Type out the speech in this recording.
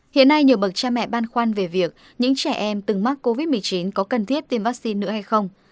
hiện nay nhiều bậc cha mẹ băn khoăn về việc những trẻ em từng mắc covid một mươi chín có cần thiết tiêm vaccine nữa hay không